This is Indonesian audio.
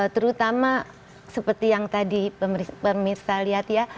terutama seperti yang tadi pemirsa lihat ya